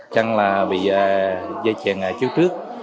chắc là vì dây chèn trước trước